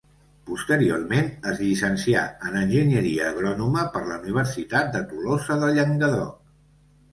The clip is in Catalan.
Posteriorment es llicencià en enginyeria agrònoma per la Universitat de Tolosa de Llenguadoc.